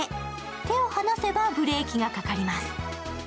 手を離せばブレーキがかかります。